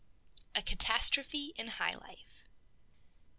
A CATASTROPHE IN HIGH LIFE.